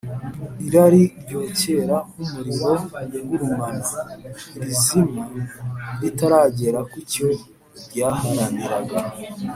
Irari ryokera nk’umuriro ugurumana, ntirizima ritaragera ku cyo ryaharaniraga.